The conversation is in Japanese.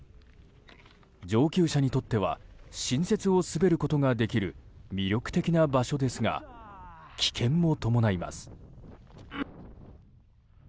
上級者にとっては新雪を滑ることができる魅力的な場所ですが危険も伴います。